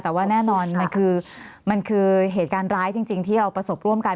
แต่ว่าแน่นอนมันคือมันคือเหตุการณ์ร้ายจริงที่เราประสบร่วมกัน